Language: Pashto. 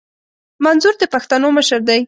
منظور د پښتنو مشر دي